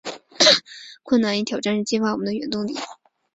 困难与挑战是激发我们的原动力